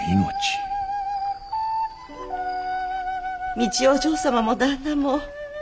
三千代お嬢様も旦那も。